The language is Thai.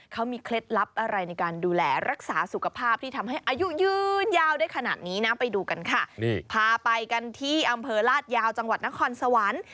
ยาวด้วยขนาดนี้นะไปดูกันค่ะนี่พาไปกันที่อำเภอราชยาวจังหวัดนครสวรรค์